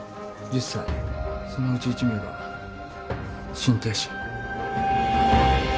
そのうち１名が心停止。